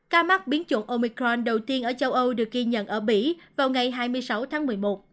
ca mắc biến chủng omicron đầu tiên ở châu âu được ghi nhận ở mỹ vào ngày hai mươi sáu tháng một mươi một